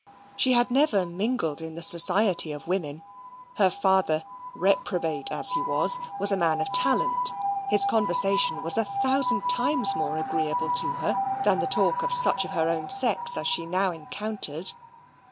She had never mingled in the society of women: her father, reprobate as he was, was a man of talent; his conversation was a thousand times more agreeable to her than the talk of such of her own sex as she now encountered.